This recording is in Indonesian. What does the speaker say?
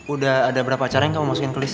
udah ada berapa acara yang kamu masukin ke list